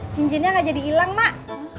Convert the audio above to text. cincinnya gak jadi ilang emak